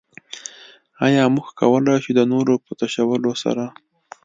ايا موږ کولای شو د نورو په تشولو سره.